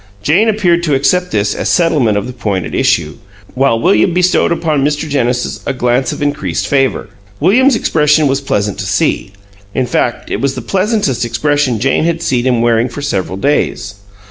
Jane appeared to accept this as settlement of the point at issue, while William bestowed upon Mr. Genesis a glance of increased favor. William's expression was pleasant to see; in fact, it was the pleasantest expression Jane had seen him wearing for several days.